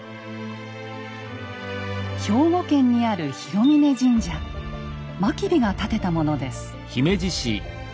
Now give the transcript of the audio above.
兵庫県にある真備が建てたものです。